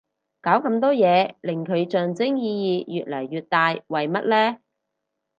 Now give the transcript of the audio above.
搞咁多嘢令佢象徵意義越嚟越大為乜呢